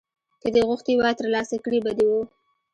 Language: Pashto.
که دې غوښتي وای ترلاسه کړي به دې وو